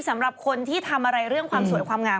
สำหรับคนที่ทำอะไรเรื่องความสวยความงาม